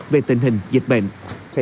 về tình hình dịch bệnh